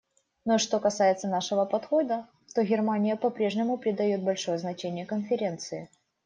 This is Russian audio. Ну а что касается нашего подхода, то Германия по-прежнему придает большое значение Конференции.